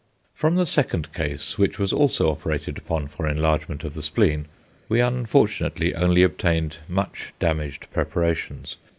From the second case, which was also operated upon for enlargement of the spleen, we unfortunately only obtained much damaged preparations.